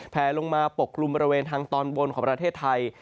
แผลลงมาปกกลุ่มบริเวณทางตอนบนของประเทศไทย